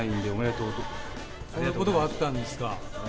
そんなことがあったんですか。